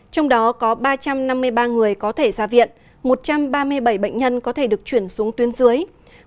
trong đó có ba trăm năm mươi ba người có thể ra viện một trăm ba mươi bảy bệnh nhân có thể được chuyển xuống tuyên dưới